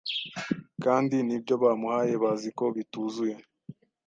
kandi nibyo bamuhaye baziko bituzuye